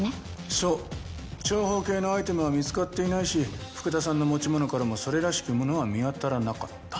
そう長方形のアイテムは見つかっていないし福田さんの持ち物からもそれらしきものは見当たらなかった。